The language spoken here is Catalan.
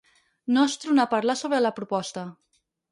No es tronà a parlar sobre la proposta.